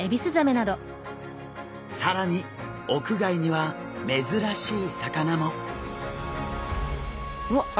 更に屋外には珍しい魚も。